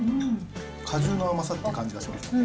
果汁の甘さって感じがしますね。